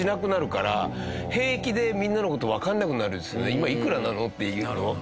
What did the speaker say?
今いくらなの？っていうの。